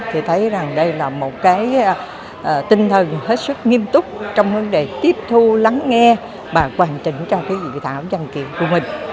thì thấy rằng đây là một cái tinh thần hết sức nghiêm túc trong vấn đề tiếp thu lắng nghe và hoàn chỉnh cho cái dự thảo dân kiện của mình